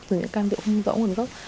từ những cái can rượu không rõ nguồn gốc